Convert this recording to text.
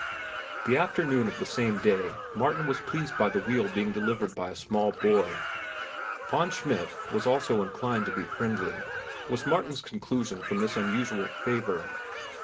The afternoon of the same day Martin was pleased by the wheel being delivered by a small boy. Von Schmidt was also inclined to be friendly, was Martin's conclusion from this unusual favor.